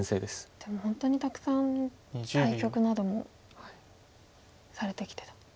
じゃあもう本当にたくさん対局などもされてきてと。